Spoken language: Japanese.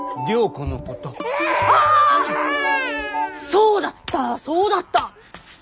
そうだったそうだった。